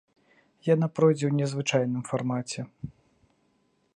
Яна пройдзе ў незвычайным фармаце.